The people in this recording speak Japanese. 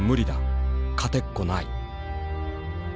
勝てっこない」。